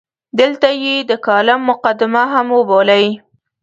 دلته یې د کالم مقدمه هم وبولئ.